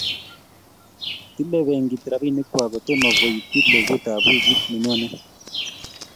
tile benkit robinikwak kotomo koitchi letutab wikit ne nyone